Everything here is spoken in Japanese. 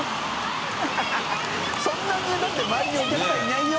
修鵑覆だって周りにお客さんいないよ？